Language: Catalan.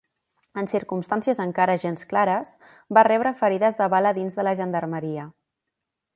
En circumstàncies encara gens clares, va rebre ferides de bala dins de la gendarmeria.